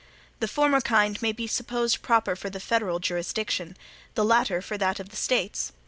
The former kind may be supposed proper for the federal jurisdiction, the latter for that of the States.